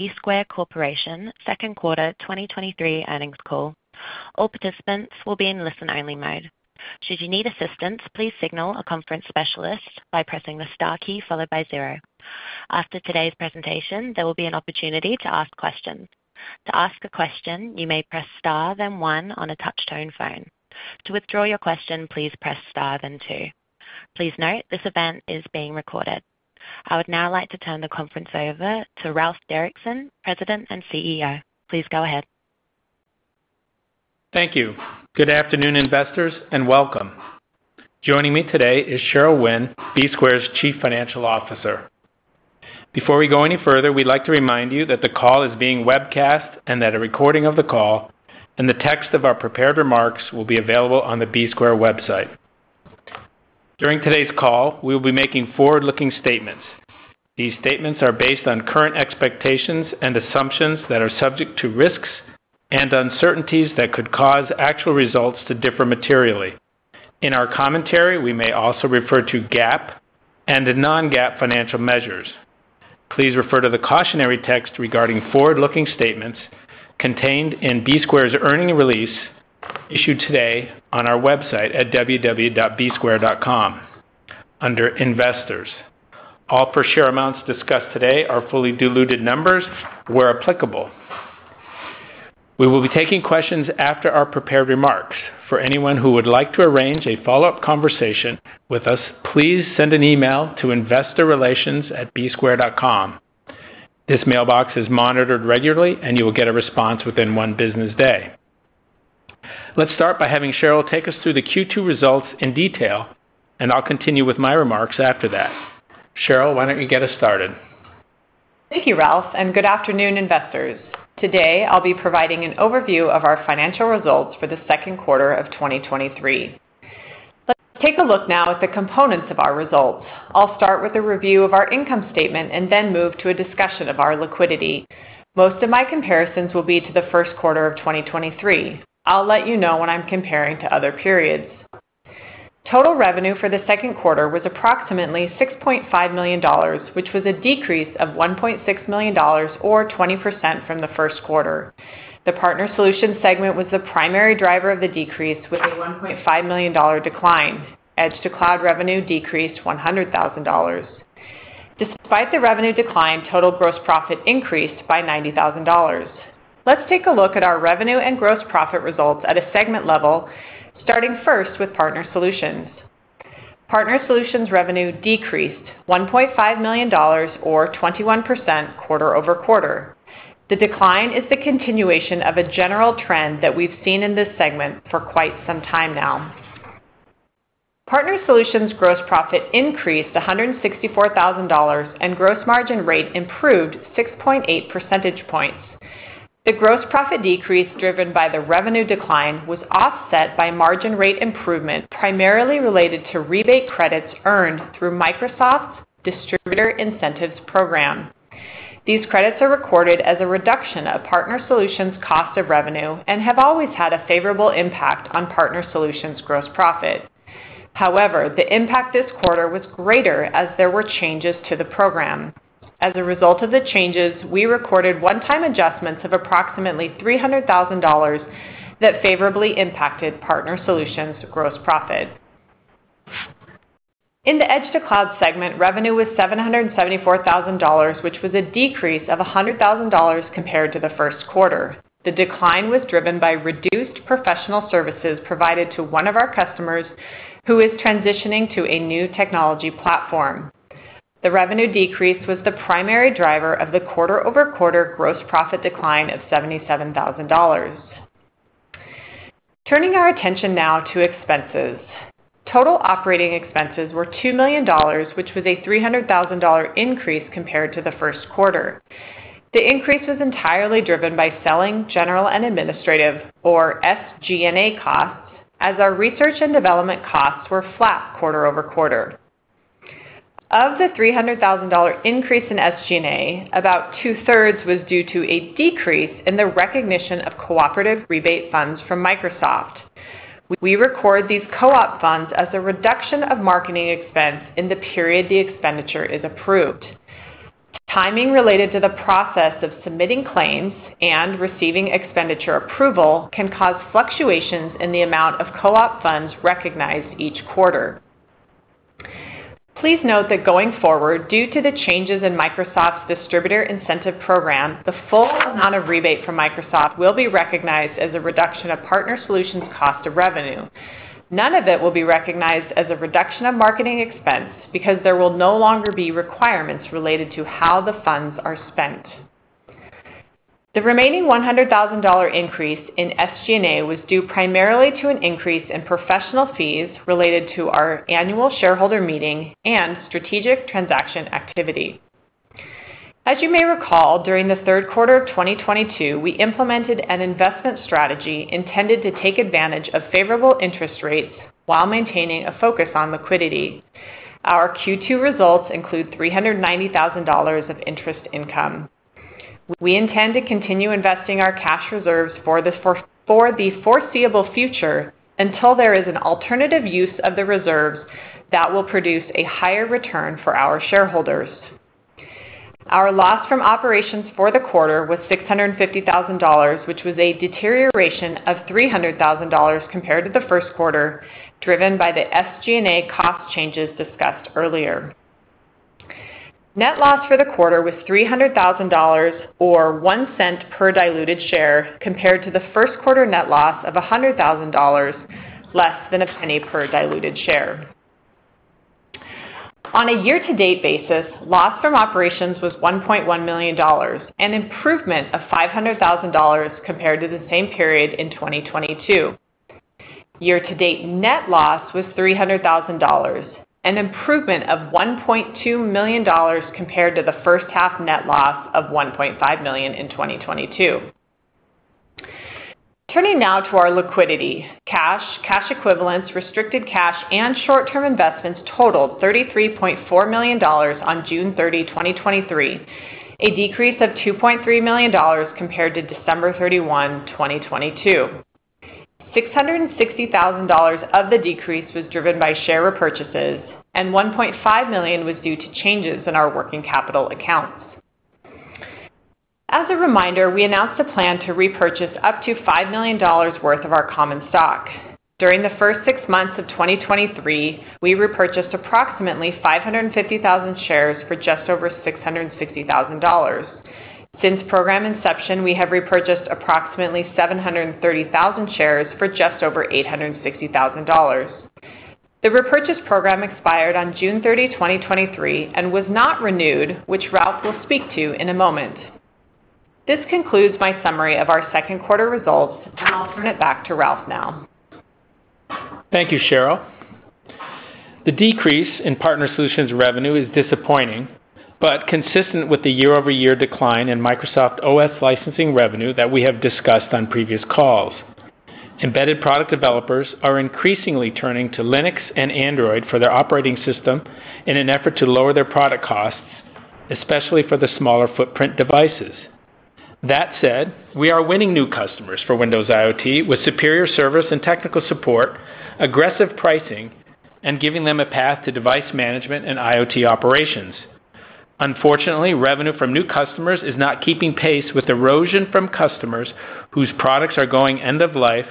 Bsquare Corporation, second quarter 2023 earnings call. All participants will be in listen-only mode. Should you need assistance, please signal a conference specialist by pressing the star key followed by zero. After today's presentation, there will be an opportunity to ask questions. To ask a question, you may press star, then one on a touch-tone phone. To withdraw your question, please press star, then two. Please note, this event is being recorded. I would now like to turn the conference over to Ralph Derrickson, President and CEO. Please go ahead. Thank you. Good afternoon, investors, and welcome. Joining me today is Cheryl Wynne, Bsquare's Chief Financial Officer. Before we go any further, we'd like to remind you that the call is being webcast and that a recording of the call and the text of our prepared remarks will be available on the Bsquare website. During today's call, we will be making forward-looking statements. These statements are based on current expectations and assumptions that are subject to risks and uncertainties that could cause actual results to differ materially. In our commentary, we may also refer to GAAP and non-GAAP financial measures. Please refer to the cautionary text regarding forward-looking statements contained in Bsquare's earning release issued today on our website at www.bsquare.com under Investors. All per share amounts discussed today are fully diluted numbers where applicable. We will be taking questions after our prepared remarks. For anyone who would like to arrange a follow-up conversation with us, please send an email to investorrelations@bsquare.com. This mailbox is monitored regularly, and you will get a response within 1 business day. Let's start by having Cheryl take us through the Q2 results in detail, and I'll continue with my remarks after that. Cheryl, why don't you get us started? Thank you, Ralph, and good afternoon, investors. Today, I'll be providing an overview of our financial results for the second quarter of 2023. Let's take a look now at the components of our results. I'll start with a review of our income statement and then move to a discussion of our liquidity. Most of my comparisons will be to the first quarter of 2023. I'll let you know when I'm comparing to other periods. Total revenue for the second quarter was approximately $6.5 million, which was a decrease of $1.6 million, or 20% from the first quarter. The Partner Solutions segment was the primary driver of the decrease, with a $1.5 million decline. Edge to Cloud revenue decreased $100,000. Despite the revenue decline, total gross profit increased by $90,000. Let's take a look at our revenue and gross profit results at a segment level, starting first with Partner Solutions. Partner Solutions revenue decreased $1.5 million or 21% quarter-over-quarter. The decline is the continuation of a general trend that we've seen in this segment for quite some time now. Partner Solutions gross profit increased $164,000, and gross margin rate improved 6.8 percentage points. The gross profit decrease, driven by the revenue decline, was offset by margin rate improvement, primarily related to rebate credits earned through Microsoft's Distributor Incentives program. These credits are recorded as a reduction of Partner Solutions' cost of revenue and have always had a favorable impact on Partner Solutions' gross profit. The impact this quarter was greater as there were changes to the program. As a result of the changes, we recorded one-time adjustments of approximately $300,000 that favorably impacted Partner Solutions' gross profit. In the Edge-to-Cloud segment, revenue was $774,000, which was a decrease of $100,000 compared to the first quarter. The decline was driven by reduced professional services provided to one of our customers, who is transitioning to a new technology platform. The revenue decrease was the primary driver of the quarter-over-quarter gross profit decline of $77,000. Turning our attention now to expenses. Total operating expenses were $2 million, which was a $300,000 increase compared to the first quarter. The increase was entirely driven by selling, general, and administrative, or SG&A costs, as our research and development costs were flat quarter-over-quarter. Of the $300,000 increase in SG&A, about 2/3 was due to a decrease in the recognition of cooperative rebate funds from Microsoft. We record these co-op funds as a reduction of marketing expense in the period the expenditure is approved. Timing related to the process of submitting claims and receiving expenditure approval can cause fluctuations in the amount of co-op funds recognized each quarter. Please note that going forward, due to the changes in Microsoft's Distributor Incentive program, the full amount of rebate from Microsoft will be recognized as a reduction of Partner Solutions' cost of revenue. None of it will be recognized as a reduction of marketing expense because there will no longer be requirements related to how the funds are spent. The remaining $100,000 increase in SG&A was due primarily to an increase in professional fees related to our annual shareholder meeting and strategic transaction activity. As you may recall, during the third quarter of 2022, we implemented an investment strategy intended to take advantage of favorable interest rates while maintaining a focus on liquidity. Our Q2 results include $390,000 of interest income. We intend to continue investing our cash reserves for the foreseeable future until there is an alternative use of the reserves that will produce a higher return for our shareholders. Our loss from operations for the quarter was $650,000, which was a deterioration of $300,000 compared to the first quarter, driven by the SG&A cost changes discussed earlier. Net loss for the quarter was $300,000, or $0.01 per diluted share, compared to the first quarter net loss of $100,000, less than $0.01 per diluted share. On a year-to-date basis, loss from operations was $1.1 million, an improvement of $500,000 compared to the same period in 2022. Year-to-date net loss was $300,000, an improvement of $1.2 million compared to the first half net loss of $1.5 million in 2022. Turning now to our liquidity, cash, cash equivalents, restricted cash, and short-term investments totaled $33.4 million on June 30, 2023, a decrease of $2.3 million compared to December 31, 2022. $660,000 of the decrease was driven by share repurchases, and $1.5 million was due to changes in our working capital accounts. As a reminder, we announced a plan to repurchase up to $5 million worth of our common stock. During the first six months of 2023, we repurchased approximately 550,000 shares for just over $660,000. Since program inception, we have repurchased approximately 730,000 shares for just over $860,000. The repurchase program expired on June 30, 2023, and was not renewed, which Ralph will speak to in a moment. This concludes my summary of our second quarter results, and I'll turn it back to Ralph now. Thank you, Cheryl. The decrease in Partner Solutions revenue is disappointing, but consistent with the year-over-year decline in Microsoft OS licensing revenue that we have discussed on previous calls. Embedded product developers are increasingly turning to Linux and Android for their operating system in an effort to lower their product costs, especially for the smaller footprint devices. That said, we are winning new customers for Windows IoT, with superior service and technical support, aggressive pricing, and giving them a path to device management and IoT operations. Unfortunately, revenue from new customers is not keeping pace with erosion from customers whose products are going end of life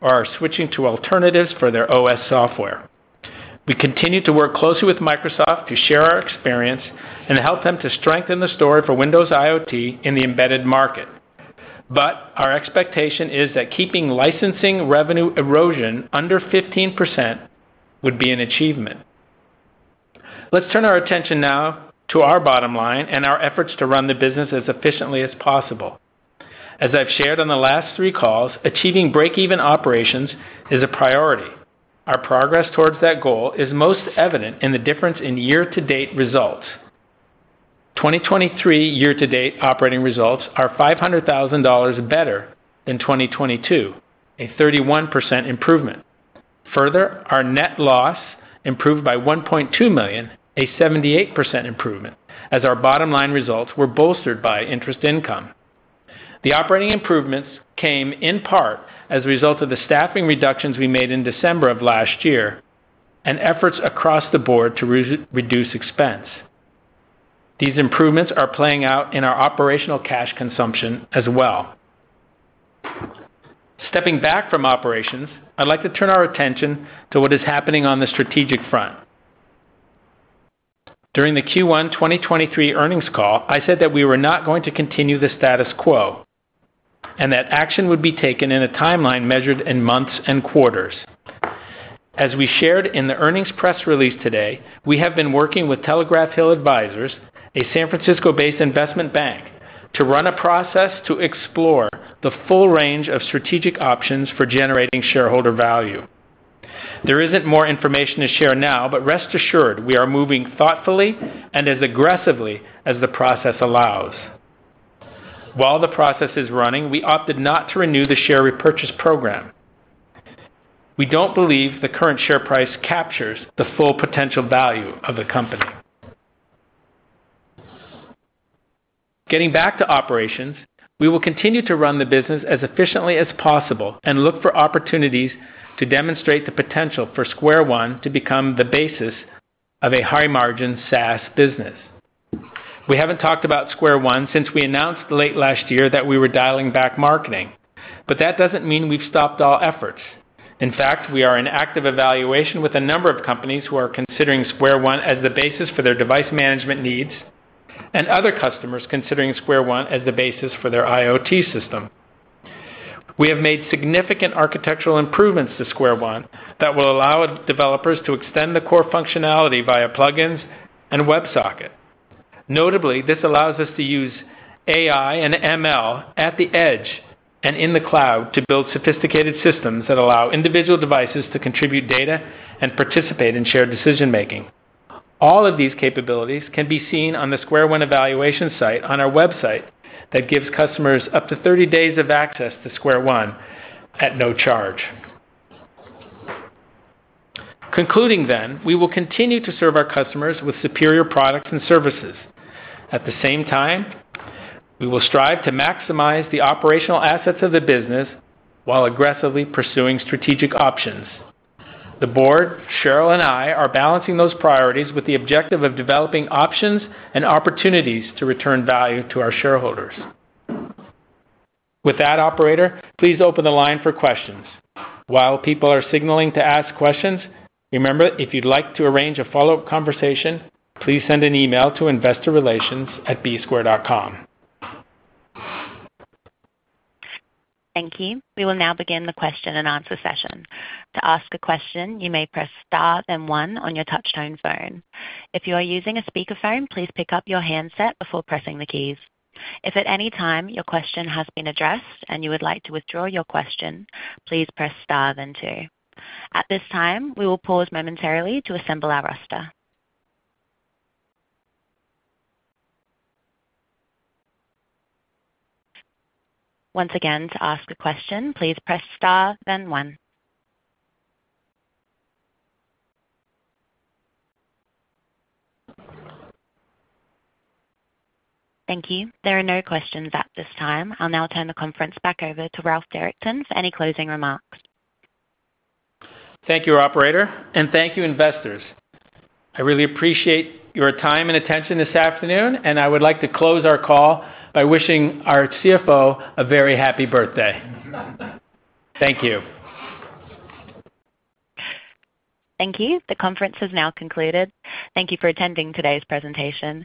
or are switching to alternatives for their OS software. We continue to work closely with Microsoft to share our experience and help them to strengthen the story for Windows IoT in the embedded market. Our expectation is that keeping licensing revenue erosion under 15% would be an achievement. Let's turn our attention now to our bottom line and our efforts to run the business as efficiently as possible. As I've shared on the last 3 calls, achieving break-even operations is a priority. Our progress towards that goal is most evident in the difference in year-to-date results. 2023 year-to-date operating results are $500,000 better than 2022, a 31% improvement. Further, our net loss improved by $1.2 million, a 78% improvement, as our bottom line results were bolstered by interest income. The operating improvements came in part as a result of the staffing reductions we made in December of last year and efforts across the board to reduce expense. These improvements are playing out in our operational cash consumption as well. Stepping back from operations, I'd like to turn our attention to what is happening on the strategic front. During the Q1 2023 earnings call, I said that we were not going to continue the status quo, and that action would be taken in a timeline measured in months and quarters. As we shared in the earnings press release today, we have been working with Telegraph Hill Advisors, a San Francisco-based investment bank, to run a process to explore the full range of strategic options for generating shareholder value. There isn't more information to share now, but rest assured, we are moving thoughtfully and as aggressively as the process allows. While the process is running, we opted not to renew the share repurchase program. We don't believe the current share price captures the full potential value of the company. Getting back to operations, we will continue to run the business as efficiently as possible and look for opportunities to demonstrate the potential for SquareOne to become the basis of a high-margin SaaS business. We haven't talked about SquareOne since we announced late last year that we were dialing back marketing, but that doesn't mean we've stopped all efforts. In fact, we are in active evaluation with a number of companies who are considering SquareOne as the basis for their device management needs, and other customers considering SquareOne as the basis for their IoT system. We have made significant architectural improvements to SquareOne that will allow developers to extend the core functionality via plugins and WebSocket. Notably, this allows us to use AI and ML at the edge and in the cloud to build sophisticated systems that allow individual devices to contribute data and participate in shared decision-making. All of these capabilities can be seen on the SquareOne evaluation site on our website that gives customers up to 30 days of access to SquareOne at no charge. Concluding, we will continue to serve our customers with superior products and services. At the same time, we will strive to maximize the operational assets of the business while aggressively pursuing strategic options. The board, Cheryl, and I are balancing those priorities with the objective of developing options and opportunities to return value to our shareholders. With that, operator, please open the line for questions. While people are signaling to ask questions, remember, if you'd like to arrange a follow-up conversation, please send an email to investorrelations@bsquare.com. Thank you. We will now begin the question-and-answer session. To ask a question, you may press star then one on your touchtone phone. If you are using a speakerphone, please pick up your handset before pressing the keys. If at any time your question has been addressed and you would like to withdraw your question, please press star then two. At this time, we will pause momentarily to assemble our roster. Once again, to ask a question, please press star, then one. Thank you. There are no questions at this time. I'll now turn the conference back over to Ralph Derrickson for any closing remarks. Thank you, operator, and thank you, investors. I really appreciate your time and attention this afternoon, and I would like to close our call by wishing our CFO a very happy birthday. Thank you. Thank you. The conference is now concluded. Thank you for attending today's presentation.